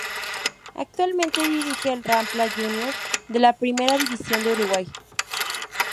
Actualmente dirige al Rampla Juniors de la Primera División de Uruguay.